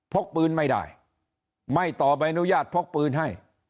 กปืนไม่ได้ไม่ต่อใบอนุญาตพกปืนให้